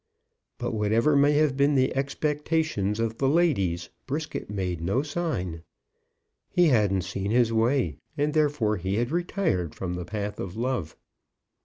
But whatever may have been the expectations of the ladies, Brisket made no sign. He hadn't seen his way, and therefore he had retired from the path of love.